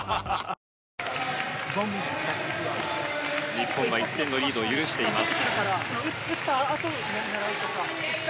日本は１点のリードを許しています。